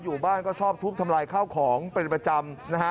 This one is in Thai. อยู่บ้านก็ชอบทุบทำลายข้าวของเป็นประจำนะฮะ